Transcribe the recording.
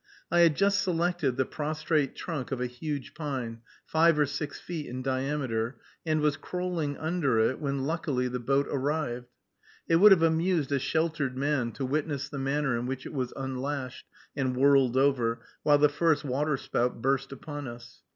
I had just selected the prostrate trunk of a huge pine, five or six feet in diameter, and was crawling under it, when, luckily, the boat arrived. It would have amused a sheltered man to witness the manner in which it was unlashed, and whirled over, while the first waterspout burst upon us.